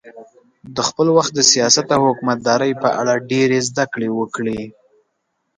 د خپل وخت د سیاست او حکومتدارۍ په اړه ډېرې زده کړې وکړې.